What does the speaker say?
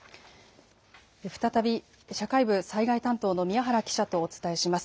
再び社会部災害担当の宮原記者とお伝えします。